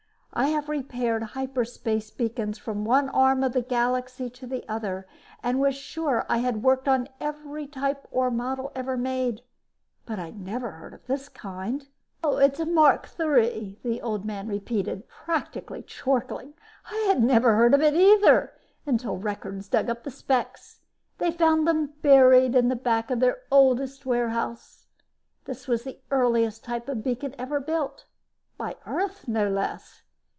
I have repaired hyperspace beacons from one arm of the Galaxy to the other and was sure I had worked on every type or model made. But I had never heard of this kind. "Mark III," the Old Man repeated, practically chortling. "I never heard of it either until Records dug up the specs. They found them buried in the back of their oldest warehouse. This was the earliest type of beacon ever built by Earth, no less.